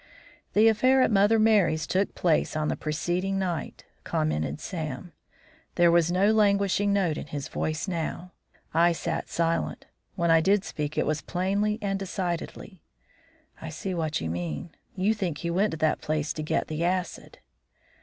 "The affair at Mother Merry's took place on the preceding night," commented Sam. There was no languishing note in his voice now. I sat silent; when I did speak it was plainly and decidedly. "I see what you mean. You think he went to that place to get the acid."